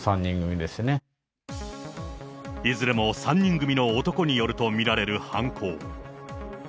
いずれも３人組の男によると見られる犯行。